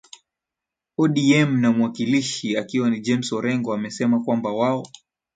odm na mwakilishi akiwa ni james orengo amesema kwamba wao